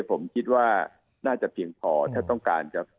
ผมคิดว่าน่าจะเพียงพอถ้าต้องการจะ